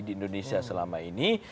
di indonesia selama ini